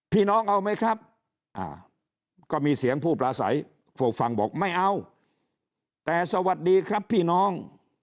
พี่น้องเอาไหมครับก็มีเสียงผู้ปลาใสโฟกฟังบอกไม่เอาแต่สวัสดีครับพี่น้อง